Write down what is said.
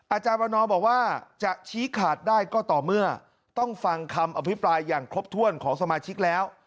อาจารย์วันนอบอกว่าจะชี้ขาดได้ก็ต่อเมื่อต้องฟังคำอภิปรายอย่างครบถ้วนของสมาชิกแล้ว